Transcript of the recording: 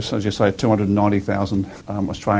seperti yang anda katakan dua ratus sembilan puluh orang australia